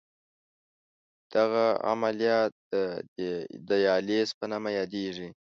دغه عملیه د دیالیز په نامه یادېږي.